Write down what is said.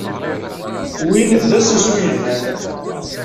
Win d asensu yelhan.